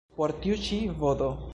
Por tiu ĉi vd.